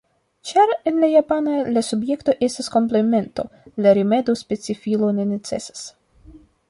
Ĉar, en la japana, la subjekto estas komplemento, la rimedo specifilo ne necesas.